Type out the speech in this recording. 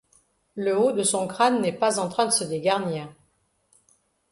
le haut de son crâne n'est pas en train de se dégarnir.